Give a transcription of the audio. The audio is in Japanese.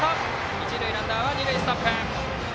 一塁ランナー、二塁ストップ。